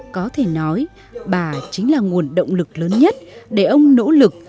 có thể nói bà chính là nguồn động lực lớn nhất để ông nỗ lực